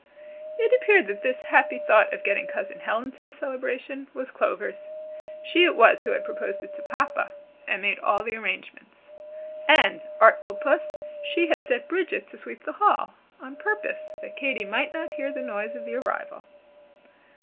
It appeared that this happy thought of getting Cousin Helen to the "Celebration," was Clover's. She it was who had proposed it to Papa, and made all the arrangements. And, artful puss! she had set Bridget to sweep the hall, on purpose that Katy might not hear the noise of the arrival.